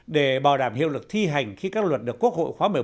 để bảo đảm hiệu lực thi hành khi các luật được quốc hội khóa một mươi bốn